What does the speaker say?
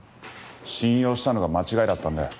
信用したのが間違いだったんだよ。